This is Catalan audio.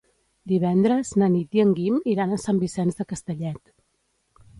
Divendres na Nit i en Guim iran a Sant Vicenç de Castellet.